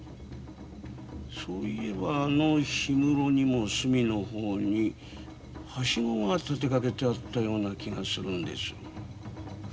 そういえばあの氷室にも隅の方にはしごが立てかけてあったような気がするんですよ。